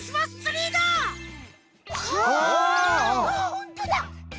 ほんとだ！